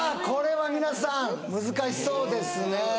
これは皆さん難しそうですね